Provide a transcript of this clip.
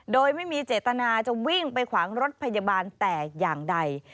โดยไม่มีเจตนาจะวิ่งไปขวางรถพยาบาลแต่อย่างใด